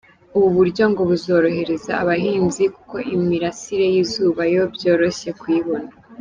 Ubu buryo ngo buzorohereza abahinzi kuko imirasire y’izuba yo byoroshye kuyibona.